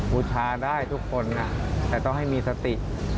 บูชาได้ทุกคนแต่ต้องให้มีสติ